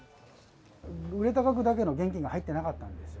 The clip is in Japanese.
売れた額だけの現金が入ってなかったんですよ。